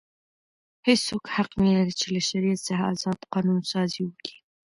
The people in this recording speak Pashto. هیڅوک حق نه لري، چي له شریعت څخه ازاد قانون سازي وکي.